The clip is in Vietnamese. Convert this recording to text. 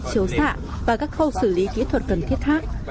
chiếu xạ và các khâu xử lý kỹ thuật cần thiết khác